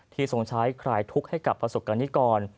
ที่ทรงใช้คลายทุกข์ให้กับพระศวกกรรมนิกร